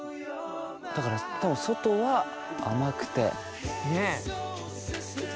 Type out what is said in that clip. だから多分外は甘くて。ねぇ！